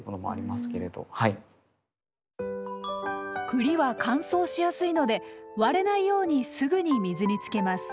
栗は乾燥しやすいので割れないようにすぐに水につけます。